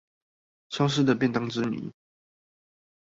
消失的便當之謎